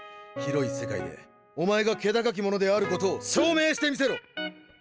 広い世界でお前が気高き者であることを証明してみせろ！